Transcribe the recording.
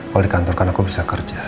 kalau di kantor kan aku bisa kerja